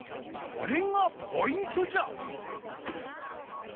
これがポイントじゃ。